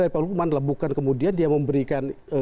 dari pak lukman bukan kemudian dia memberikan